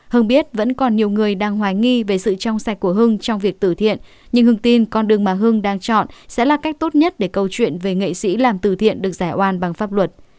hưng biết vẫn còn nhiều người đang hoài nghi về sự trong sạch của hưng trong việc tử thiện nhưng hưng tin con đường mà hưng đang chọn sẽ là cách tốt nhất để câu chuyện về nghệ sĩ làm từ thiện được giải oan bằng pháp luật